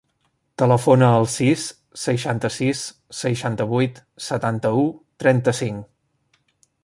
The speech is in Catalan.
Telefona al sis, seixanta-sis, seixanta-vuit, setanta-u, trenta-cinc.